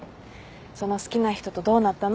その好きな人とどうなったの？